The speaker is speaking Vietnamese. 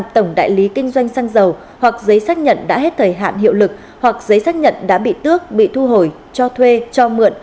hoặc giấy chứng nhận đã hết thời hạn hiệu lực hoặc giấy chứng nhận đã bị tước bị thu hồi cho thuê cho mượn